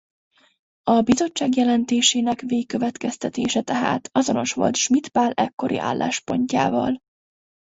A bizottság jelentésének végkövetkeztetése tehát azonos volt Schmitt Pál ekkori álláspontjával.